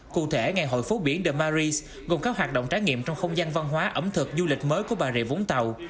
cụ thể ngày hội phố biển the marias gồm các hoạt động trải nghiệm trong không gian văn hóa ẩm thực du lịch mới của bà rịa vũng tàu